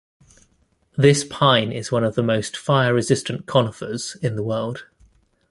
This pine is one of the most fire-resistant conifers in the world.